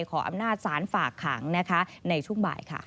ขออำนาจสารฝากขังในช่วงบ่าย